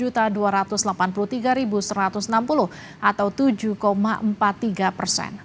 satu dua ratus delapan puluh tiga satu ratus enam puluh atau tujuh empat puluh tiga persen